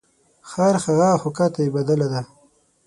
خرهغه خو کته یې بدله ده .